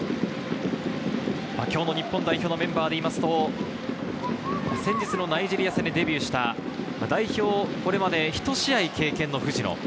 今日の日本代表のメンバーで言うと、先日のナイジェリア戦でデビューした代表はこれまで１試合経験の藤野。